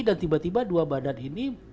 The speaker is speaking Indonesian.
tiba tiba dua badan ini